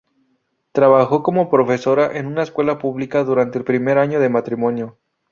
Trabajó como profesora en una escuela pública durante el primer año de matrimonio.